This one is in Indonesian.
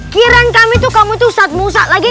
kiran kami tuh kamu tuh ujad musa lagi